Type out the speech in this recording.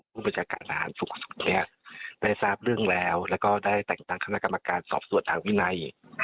ผู้บัญชาการฐานสูงสุดได้ทราบเรื่องแล้วแล้วก็ได้แต่งตั้งคณะกรรมการสอบส่วนทางวินัย